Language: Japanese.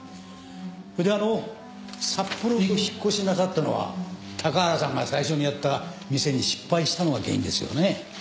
それであの札幌にお引っ越しなさったのは高原さんが最初にやった店に失敗したのが原因ですよね？